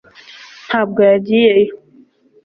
ntabwo yagiyeyo